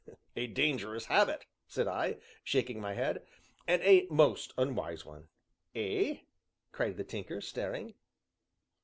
"A dangerous habit," said I, shaking my head, "and a most unwise one!" "Eh?" cried the Tinker, staring.